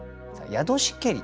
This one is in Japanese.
「宿しけり」。